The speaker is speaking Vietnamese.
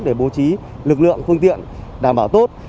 để bố trí lực lượng phương tiện đảm bảo tốt